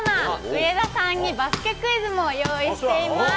上田さんにバスケクイズも用意しています。